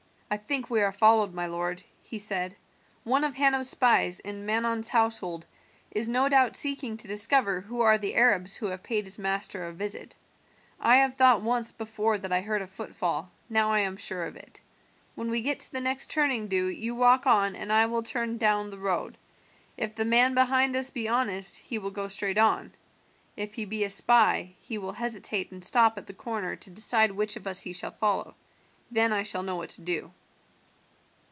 "I think we are followed, my lord," he said, "one of Hanno's spies in Manon's household is no doubt seeking to discover who are the Arabs who have paid his master a visit. I have thought once before that I heard a footfall, now l am sure of it. When we get to the next turning do you walk on and I will turn down the road. If the man behind us be honest he will go straight on; if he be a spy, he will hesitate and stop at the corner to decide which of us he shall follow; then I shall know what to do."